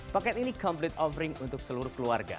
paket ini komplit offering untuk seluruh keluarga